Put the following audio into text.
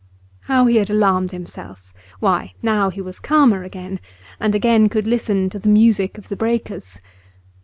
How he had alarmed himself! Why, now he was calmer again, and again could listen to the music of the breakers.